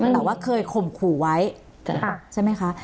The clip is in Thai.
แต่ว่าเคยข่มขู่ไว้ใช่ไหมคะ